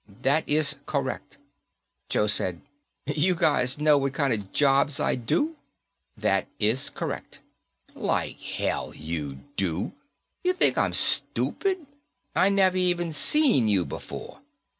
"That is correct." Joe said, "You guys know the kind of jobs I do?" "That is correct." "Like hell you do. You think I'm stupid? I never even seen you before."